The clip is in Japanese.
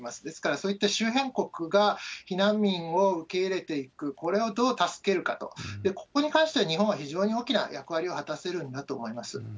ですから、そういった周辺国が避難民を受け入れていく、これをどう助けるかと、ここに関しては日本は非常に大きな役割を果たせるんだと思います。